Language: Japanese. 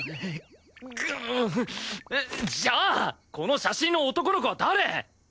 じゃあこの写真の男の子は誰！？